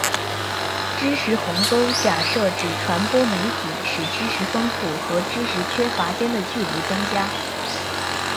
知识鸿沟假设指传播媒体使知识丰富和知识缺乏间的距离增加。